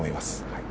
はい